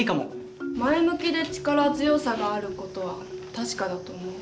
前向きで力強さがある事は確かだと思う。